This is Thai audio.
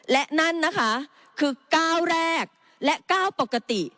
และนั่นนะคะคือก้าวแรกและก้าวปกติ